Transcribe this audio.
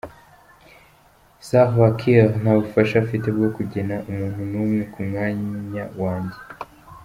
Salva Kiir nta bubasha afite bwo kugena umuntu n’umwe ku mwanya wanjye.